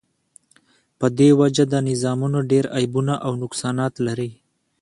په دی وجه دا نظامونه ډیر عیبونه او نقصانات لری